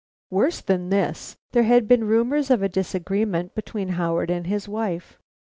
Worse than this, there had been rumors of a disagreement between Howard and his wife.